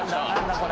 これ。